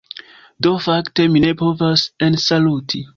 Do fakte mi ne povas ensaluti.